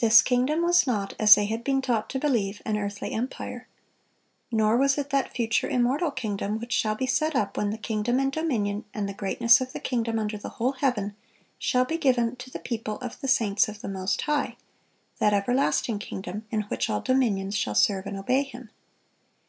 This kingdom was not, as they had been taught to believe, an earthly empire. Nor was it that future, immortal kingdom which shall be set up when "the kingdom and dominion, and the greatness of the kingdom under the whole heaven, shall be given to the people of the saints of the Most High;" that everlasting kingdom, in which "all dominions shall serve and obey Him."